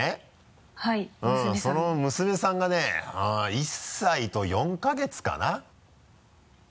その娘さんがね１歳と４か月かな。